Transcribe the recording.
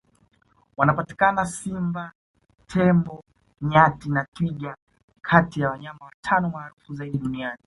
wanapatikana simba tembo nyati na twiga kati ya wanyama watano maarufu zaidi duniani